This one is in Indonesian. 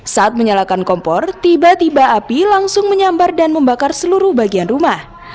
saat menyalakan kompor tiba tiba api langsung menyambar dan membakar seluruh bagian rumah